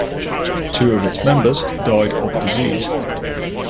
Two of its members died of disease.